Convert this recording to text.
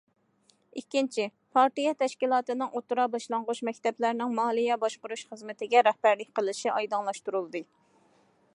ئىككىنچى، پارتىيە تەشكىلاتىنىڭ ئوتتۇرا- باشلانغۇچ مەكتەپلەرنىڭ مالىيە باشقۇرۇش خىزمىتىگە رەھبەرلىك قىلىشى ئايدىڭلاشتۇرۇلدى.